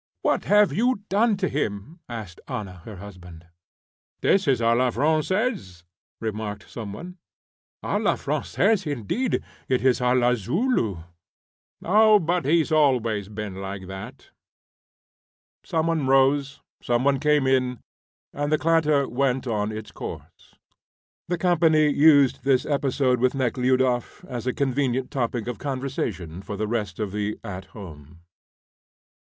What have you done to him?" asked Anna of her husband. "This is a la Francaise," remarked some one. "A la Francaise, indeed it is a la Zoulou." "Oh, but he's always been like that." Some one rose, some one came in, and the clatter went on its course. The company used this episode with Nekhludoff as a convenient topic of conversation for the rest of the "at home."